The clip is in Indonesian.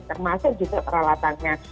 termasuk juga peralatannya